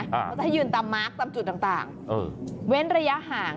เขาจะให้ยืนตามมาร์คตามจุดต่างเว้นระยะห่าง